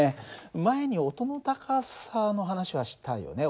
前に音の高さの話はしたよね。